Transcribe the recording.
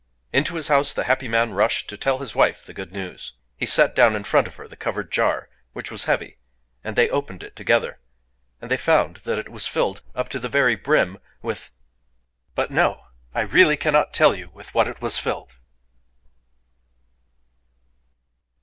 Into his house the happy man rushed, to tell his wife the good news. He set down in front of her the covered jar,—which was heavy,—and they opened it together. And they found that it was filled, up to the very brim, with... But no!—I really cannot tell you with what it was filled.